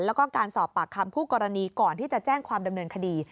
แล้วก็การสอบปากคำคู่กรณีก่อนที่จะแจ้งความดำเนินคดี